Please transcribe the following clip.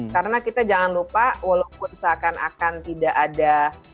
karena kita jangan lupa walaupun seakan akan tidak ada